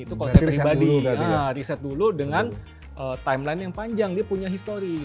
itu konsep pribadi reset dulu dengan timeline yang panjang dia punya history